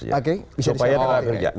supaya bisa berjalan berjalan